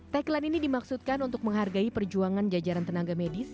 tagline ini dimaksudkan untuk menghargai perjuangan jajaran tenaga medis